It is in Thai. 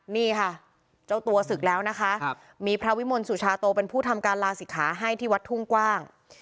นี่ค่ะเจ้าตัวศึกแล้วนะคะมีพระวิมลสุชาโตเป็นผู้ทำการลาศิกขาให้ที่วัดทุ่งกว้าง